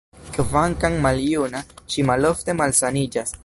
Kvankam maljuna, ŝi malofte malsaniĝas.